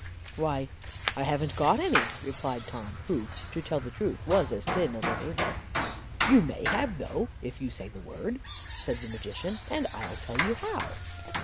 "'Why, I haven't got any,' replied Tom, who, to tell the truth, was as thin as a hurdle. "'You may have, though, if you say the word,' said the magician; 'and I'll tell you how.